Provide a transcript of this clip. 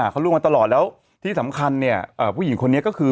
เขาล่วงมาตลอดแล้วที่สำคัญเนี่ยผู้หญิงคนนี้ก็คือ